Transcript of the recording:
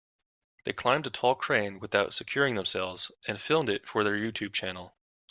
They climbed a tall crane without securing themselves and filmed it for their YouTube channel.